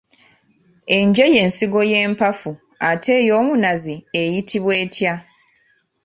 Enje ye nsigo y'empafu ate ey'omunazi eyitibwa etya?